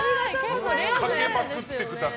かけまくってください。